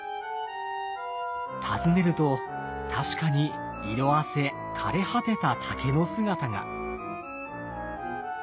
訪ねると確かに色あせ枯れ果てた竹の姿が。